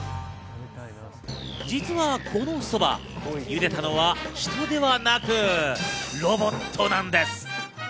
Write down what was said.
実はこのそば、茹でたのは人ではなく、ロボットなんです。